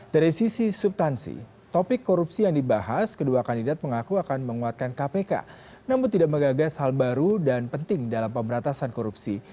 dari sisi subtansi topik korupsi yang dibahas kedua kandidat mengaku akan menguatkan kpk namun tidak menggagas hal baru dan penting dalam pemberantasan korupsi